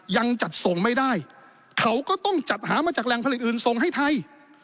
ยังจัดส่งไม่ได้เขาก็ต้องจัดหามาจากแรงผลิตอื่นส่งให้ไทย